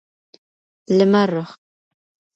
لمررخ